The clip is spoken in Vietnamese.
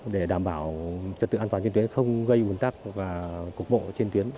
để đảm bảo trật tự an toàn trên tuyến không gây ủn tắc và cục bộ trên tuyến